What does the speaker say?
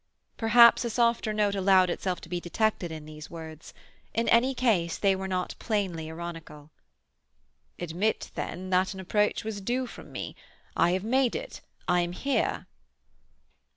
Perhaps a softer note allowed itself to be detected in these words. In any case, they were not plainly ironical. "Admit, then, that an approach was due from me. I have made it. I am here."